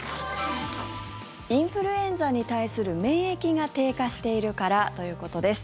インフルエンザに対する免疫が低下しているからということです。